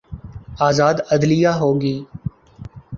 آزاد عدلیہ ہو گی۔